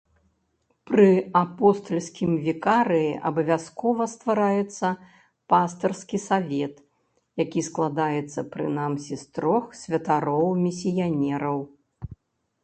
Пры апостальскім вікарыі абавязкова ствараецца пастырскі савет, які складаецца прынамсі з трох святароў-місіянераў.